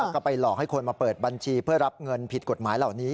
ก็ไปหลอกให้คนมาเปิดบัญชีเพื่อรับเงินผิดกฎหมายเหล่านี้